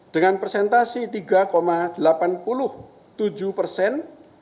dengan presentasi tiga delapan puluh tujuh persen